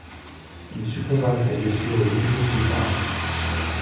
Il succomba à ses blessures huit jours plus tard.